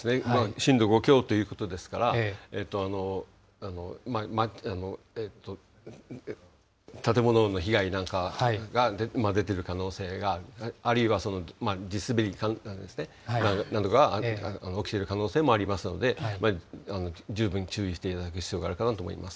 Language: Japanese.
震度５強ということですから、建物の被害なんかが出ている可能性が、あるいは地滑りなどが起きている可能性もありますので、十分注意していただく必要があるかなと思います。